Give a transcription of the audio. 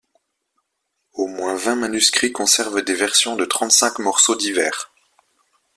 Au moins vingt manuscrits conservent des versions de trente-cinq morceaux divers.